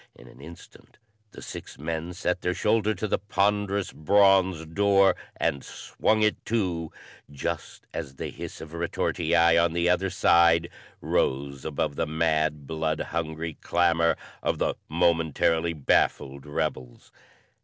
In an instant the six men set their shoulder to the ponderous bronze door and swung it to, just as the hiss of a retortii on the other side rose above the mad, blood hungry clamor of the momentarily baffled rebels.